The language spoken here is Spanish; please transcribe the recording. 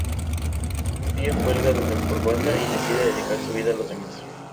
Un día cuelga la corbata y decide dedicar su vida a los demás.